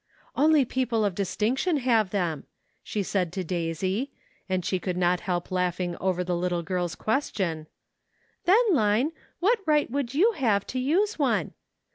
" Only people of distinction have them," she said to Daisy, and she could not help laughing over the little girl's question :" Then, Line, what right would you have to use one